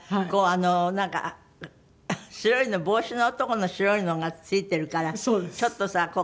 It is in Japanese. こうあのなんか白いの帽子のとこの白いのが付いてるからちょっとさ